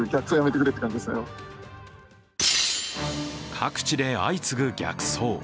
各地で相次ぐ逆走。